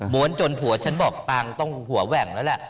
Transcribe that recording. ม้วนจนหัวฉันบอกตางต้องหัวแหว่งแล้วแหละ